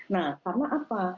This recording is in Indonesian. nah karena apa